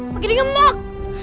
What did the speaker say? pakai dia ngembok